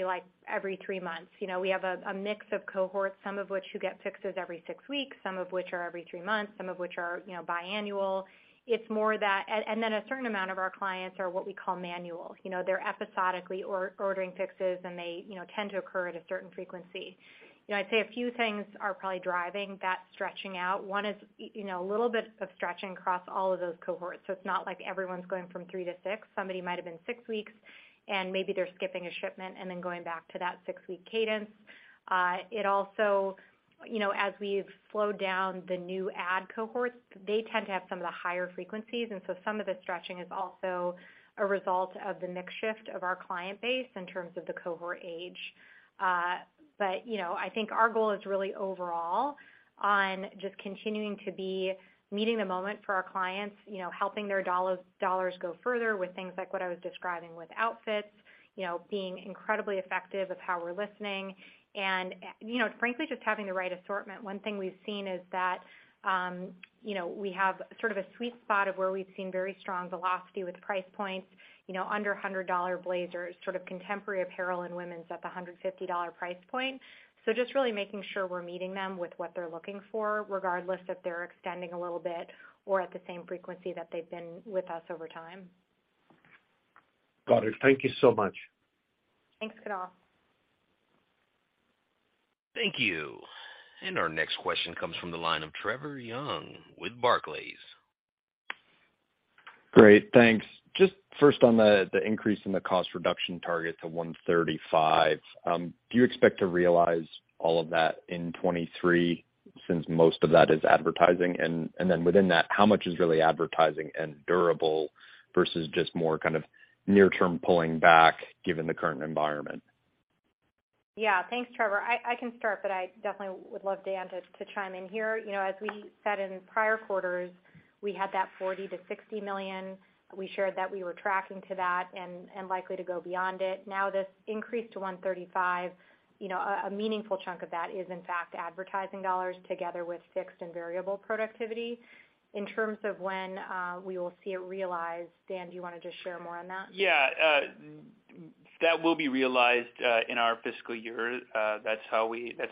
like every three months. You know, we have a mix of cohorts, some of which who get Fixes every six weeks, some of which are every three months, some of which are, you know, biannual. It's more that. Then a certain amount of our clients are what we call manual. You know, they're episodically ordering Fixes, they, you know, tend to occur at a certain frequency. You know, I'd say a few things are probably driving that stretching out. One is, you know, a little bit of stretching across all of those cohorts. It's not like everyone's going from three to six. Somebody might have been six weeks, maybe they're skipping a shipment then going back to that six-week cadence. It also. You know, as we've slowed down the new ad cohorts, they tend to have some of the higher frequencies. Some of the stretching is also a result of the mix shift of our client base in terms of the cohort age. You know, I think our goal is really overall on just continuing to be meeting the moment for our clients, you know, helping their dollars go further with things like what I was describing with outfits, you know, being incredibly effective of how we're listening and, you know, frankly, just having the right assortment. One thing we've seen is that, you know, we have sort of a sweet spot of where we've seen very strong velocity with price points, you know, under $100 blazers, sort of contemporary apparel in women's at the $150 price point. Just really making sure we're meeting them with what they're looking for, regardless if they're extending a little bit or at the same frequency that they've been with us over time. Got it. Thank you so much. Thanks, Kunal. Thank you. Our next question comes from the line of Trevor Young with Barclays. Great. Thanks. Just first on the increase in the cost reduction target to $135 million. Do you expect to realize all of that in 2023 since most of that is advertising? Within that, how much is really advertising and durable versus just more kind of near term pulling back given the current environment? Yeah. Thanks, Trevor. I can start, but I definitely would love Dan to chime in here. You know, as we said in prior quarters, we had that $40 million-$60 million. We shared that we were tracking to that and likely to go beyond it. This increase to $135 million, you know, a meaningful chunk of that is in fact advertising dollars together with fixed and variable productivity. In terms of when we will see it realized, Dan, do you wanna just share more on that? Yeah. That will be realized in our fiscal year. That's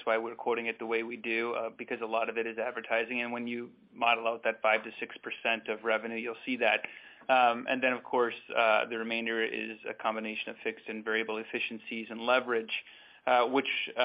why we're quoting it the way we do, because a lot of it is advertising. When you model out that 5%-6% of revenue, you'll see that. Of course, the remainder is a combination of fixed and variable efficiencies and leverage, which, to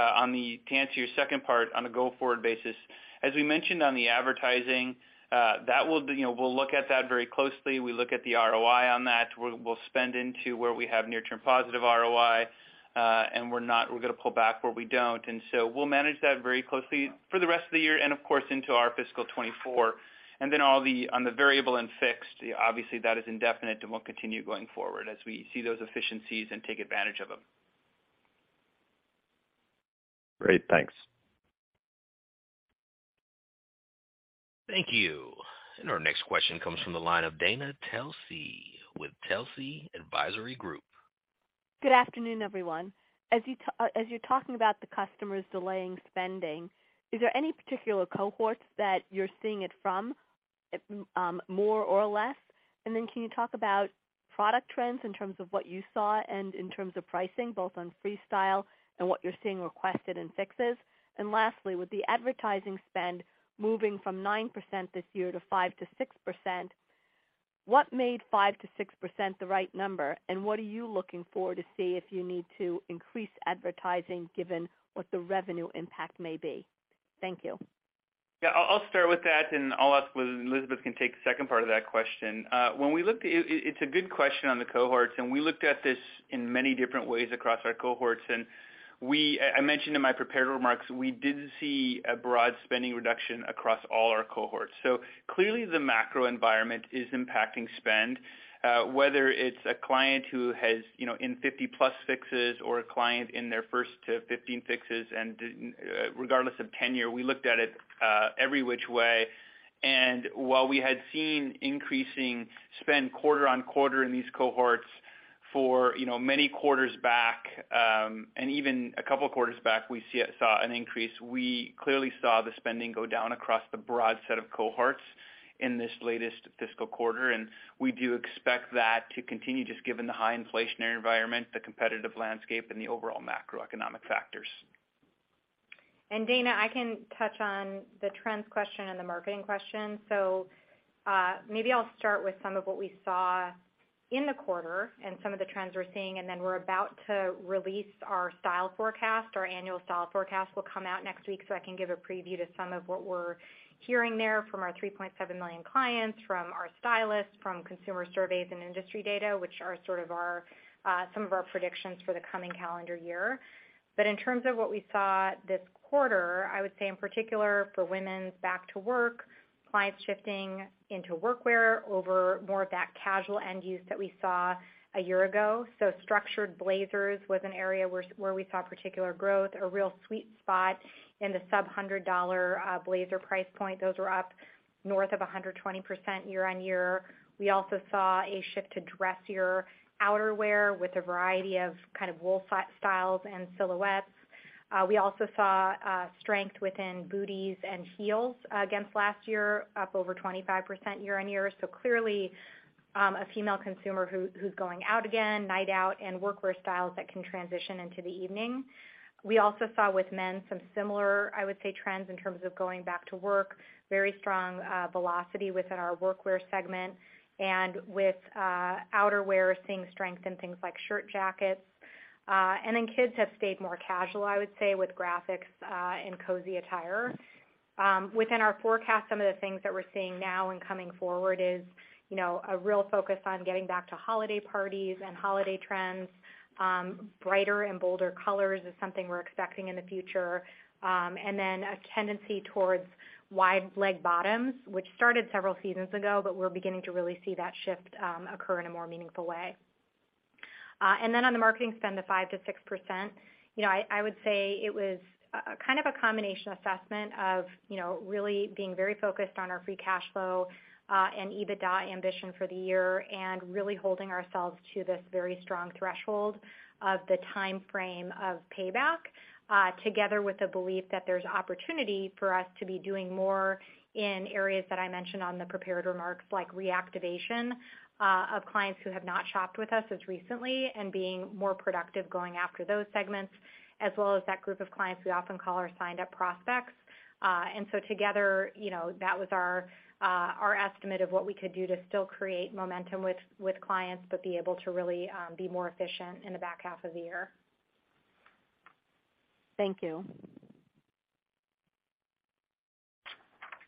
answer your second part on a go-forward basis, as we mentioned on the advertising, that will be, you know, we'll look at that very closely. We look at the ROI on that. We'll, we'll spend into where we have near-term positive ROI, and we're gonna pull back where we don't. So we'll manage that very closely for the rest of the year and of course into our fiscal 2024. On the variable and fixed, obviously, that is indefinite, and we'll continue going forward as we see those efficiencies and take advantage of them. Great. Thanks. Thank you. Our next question comes from the line of Dana Telsey with Telsey Advisory Group. Good afternoon, everyone. As you're talking about the customers delaying spending, is there any particular cohorts that you're seeing it from, more or less? Then can you talk about product trends in terms of what you saw and in terms of pricing, both on Freestyle and what you're seeing requested in Fixes? Lastly, with the advertising spend moving from 9% this year to 5%-6%, what made 5%-6% the right number? What are you looking for to see if you need to increase advertising given what the revenue impact may be? Thank you. Yeah. I'll start with that, and I'll ask whether Elizabeth can take the second part of that question. When we looked at it. It's a good question on the cohorts, we looked at this in many different ways across our cohorts. I mentioned in my prepared remarks, we did see a broad spending reduction across all our cohorts. Clearly, the macro environment is impacting spend, whether it's a client who has, you know, in 50+ Fixes or a client in their first to 15 Fixes. Regardless of tenure, we looked at it every which way. While we had seen increasing spend quarter-on-quarter in these cohorts for, you know, many quarters back, and even a couple of quarters back, we saw an increase. We clearly saw the spending go down across the broad set of cohorts in this latest fiscal quarter, and we do expect that to continue just given the high inflationary environment, the competitive landscape, and the overall macroeconomic factors. Dana, I can touch on the trends question and the marketing question. Maybe I'll start with some of what we saw in the quarter and some of the trends we're seeing, and then we're about to release our style forecast. Our annual style forecast will come out next week. I can give a preview to some of what we're hearing there from our 3.7 million clients, from our stylists, from consumer surveys and industry data, which are sort of our some of our predictions for the coming calendar year. In terms of what we saw this quarter, I would say in particular for women's back to work, clients shifting into workwear over more of that casual end use that we saw a year ago. Structured blazers was an area where we saw particular growth, a real sweet spot in the sub $100 blazer price point. Those were up north of 120% year-on-year. We also saw a shift to dressier outerwear with a variety of kind of wool styles and silhouettes. We also saw strength within booties and heels against last year, up over 25% year-on-year. Clearly, a female consumer who's going out again, night out, and workwear styles that can transition into the evening. We also saw with men some similar, I would say, trends in terms of going back to work, very strong velocity within our workwear segment and with outerwear seeing strength in things like shirt jackets. Kids have stayed more casual, I would say, with graphics, and cozy attire. Within our forecast, some of the things that we're seeing now and coming forward is, you know, a real focus on getting back to holiday parties and holiday trends. Brighter and bolder colors is something we're expecting in the future. A tendency towards wide leg bottoms, which started several seasons ago, but we're beginning to really see that shift, occur in a more meaningful way. On the marketing spend of 5%-6%, you know, I would say it was kind of a combination assessment of, you know, really being very focused on our free cash flow and EBITDA ambition for the year, and really holding ourselves to this very strong threshold of the timeframe of payback, together with the belief that there's opportunity for us to be doing more in areas that I mentioned on the prepared remarks, like reactivation of clients who have not shopped with us as recently and being more productive going after those segments, as well as that group of clients we often call our signed-up prospects. Together, you know, that was our estimate of what we could do to still create momentum with clients, but be able to really, be more efficient in the back half of the year. Thank you.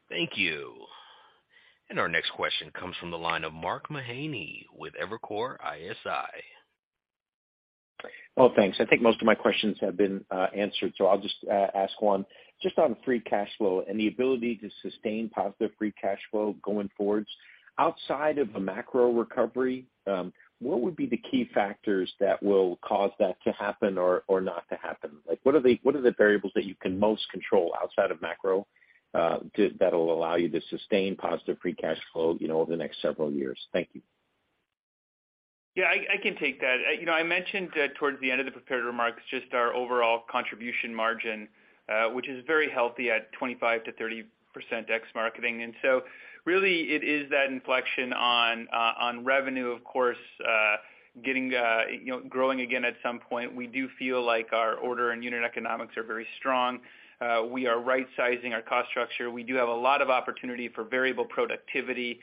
Thank you. Our next question comes from the line of Mark Mahaney with Evercore ISI. Thanks. I think most of my questions have been answered, I'll just ask one. Just on free cash flow and the ability to sustain positive free cash flow going forwards. Outside of a macro recovery, what would be the key factors that will cause that to happen or not to happen? Like, what are the variables that you can most control outside of macro that'll allow you to sustain positive free cash flow, you know, over the next several years? Thank you. Yeah, I can take that. You know, I mentioned towards the end of the prepared remarks just our overall contribution margin, which is very healthy at 25%-30% ex-marketing. Really it is that inflection on revenue, of course, getting, you know, growing again at some point. We do feel like our order and unit economics are very strong. We are rightsizing our cost structure. We do have a lot of opportunity for variable productivity.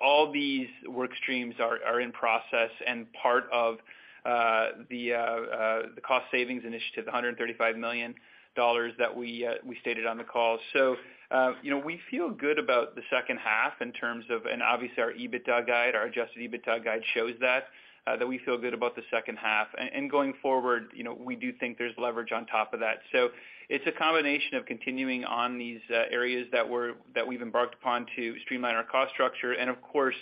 All these work streams are in process and part of the cost savings initiative, the $135 million that we stated on the call. You know, we feel good about the second half in terms of. Obviously, our EBITDA guide, our adjusted EBITDA guide shows that we feel good about the second half. Going forward, you know, we do think there's leverage on top of that. It's a combination of continuing on these areas that we've embarked upon to streamline our cost structure and of course,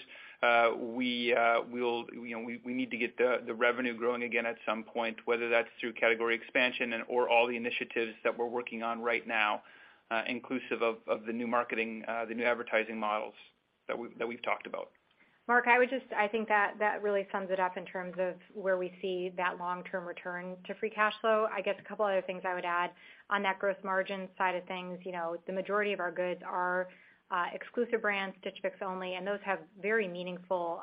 we'll, you know, we need to get the revenue growing again at some point, whether that's through category expansion and/or all the initiatives that we're working on right now, inclusive of the new marketing, the new advertising models that we've talked about. Mark, I think that really sums it up in terms of where we see that long-term return to free cash flow. I guess a couple other things I would add. On that gross margin side of things, you know, the majority of our goods are exclusive brands, Stitch Fix only, and those have very meaningful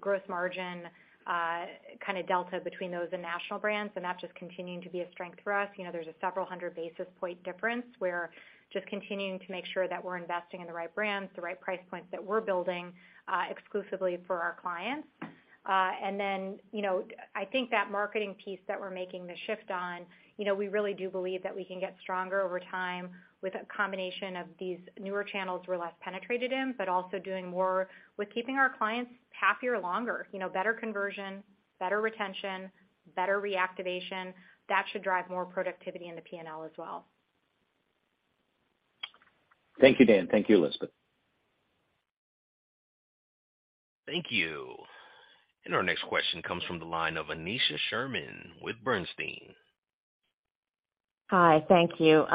gross margin, kinda delta between those and national brands, and that's just continuing to be a strength for us. You know, there's a several hundred basis point difference. We're just continuing to make sure that we're investing in the right brands, the right price points that we're building exclusively for our clients. You know, I think that marketing piece that we're making the shift on, you know, we really do believe that we can get stronger over time with a combination of these newer channels we're less penetrated in, but also doing more with keeping our clients happier longer. You know, better conversion, better retention, better reactivation. That should drive more productivity in the P&L as well. Thank you, Dan. Thank you, Elizabeth. Thank you. Our next question comes from the line of Aneesha Sherman with Bernstein. Hi. Thank you.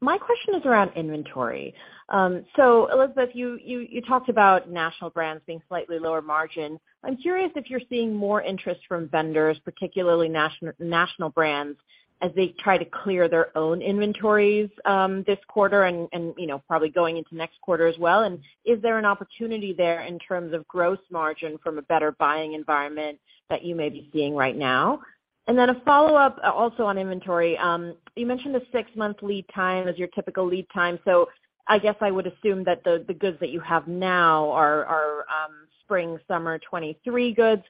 My question is around inventory. Elizabeth, you talked about national brands being slightly lower margin. I'm curious if you're seeing more interest from vendors, particularly national brands, as they try to clear their own inventories, this quarter, and, you know, probably going into next quarter as well. Is there an opportunity there in terms of gross margin from a better buying environment that you may be seeing right now? Then a follow-up also on inventory. You mentioned the 6-month lead time as your typical lead time, so I guess I would assume that the goods that you have now are spring/summer '23 goods.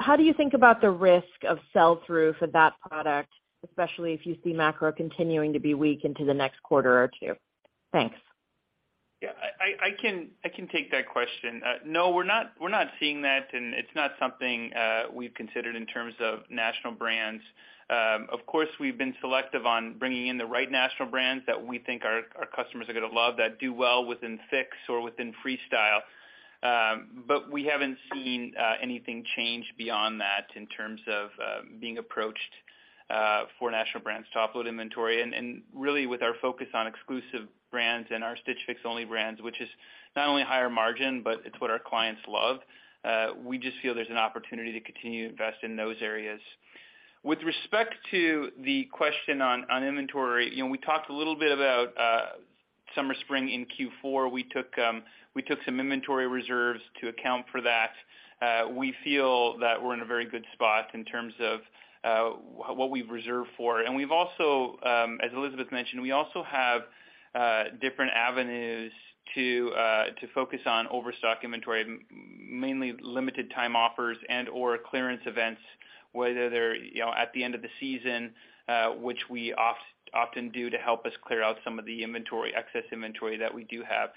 How do you think about the risk of sell-through for that product, especially if you see macro continuing to be weak into the next quarter or two? Thanks. Yeah. I can take that question. No, we're not seeing that, and it's not something we've considered in terms of national brands. Of course, we've been selective on bringing in the right national brands that we think our customers are gonna love, that do well within Fix or within Freestyle. But we haven't seen anything change beyond that in terms of being approached for national brands to offload inventory. Really with our focus on exclusive brands and our Stitch Fix only brands, which is not only higher margin, but it's what our clients love, we just feel there's an opportunity to continue to invest in those areas. With respect to the question on inventory, you know, we talked a little bit about summer/spring in Q4. We took some inventory reserves to account for that. We feel that we're in a very good spot in terms of what we've reserved for. We've also, as Elizabeth mentioned, we also have different avenues to focus on overstock inventory, mainly limited time offers and/or clearance events, whether they're, you know, at the end of the season, which we often do to help us clear out some of the inventory, excess inventory that we do have.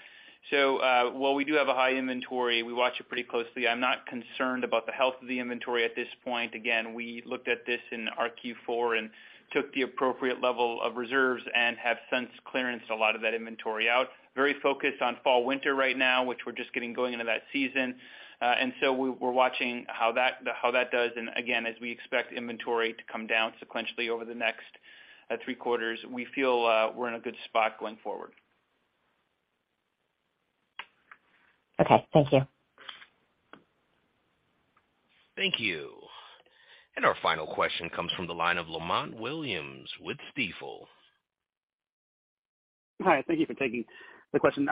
While we do have a high inventory, we watch it pretty closely. I'm not concerned about the health of the inventory at this point. Again, we looked at this in our Q4 and took the appropriate level of reserves and have since clearance a lot of that inventory out. Very focused on fall/winter right now, which we're just getting going into that season. We're watching how that does. Again, as we expect inventory to come down sequentially over the next three quarters, we feel we're in a good spot going forward. Okay. Thank you. Thank you. Our final question comes from the line of Lamont Williams with Stifel. Hi. Thank you for taking the question.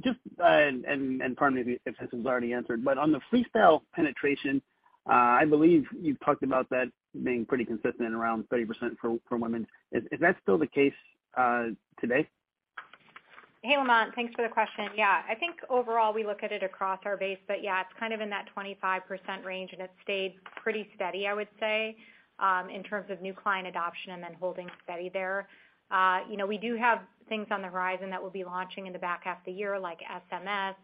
Just pardon me if this has already been answered, but on the Freestyle penetration, I believe you've talked about that being pretty consistent around 30% for women. Is that still the case, today? Hey, Lamont. Thanks for the question. Yeah. I think overall we look at it across our base, but yeah, it's kind of in that 25% range, and it's stayed pretty steady, I would say, in terms of new client adoption and then holding steady there. You know, we do have things on the horizon that we'll be launching in the back half of the year, like SMS,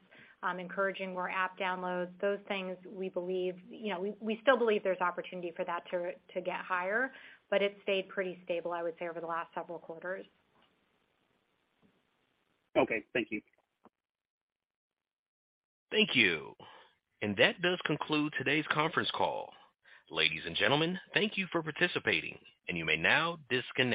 encouraging more app downloads. Those things we believe. You know, we still believe there's opportunity for that to get higher, but it's stayed pretty stable, I would say, over the last several quarters. Okay. Thank you. Thank you. That does conclude today's conference call. Ladies and gentlemen, thank you for participating, and you may now disconnect.